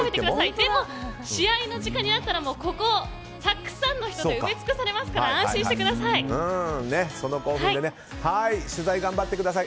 でも、試合の時間になったらここはたくさんの人で埋め尽くされますから取材、頑張ってください。